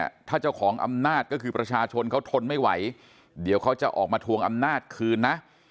ถ้าเจ้าของอำนาจก็คือประชาชนเขาทนไม่ไหวเดี๋ยวเขาจะออกมาทวงอำนาจคืนนะ